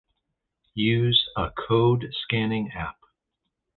Use a code scanning app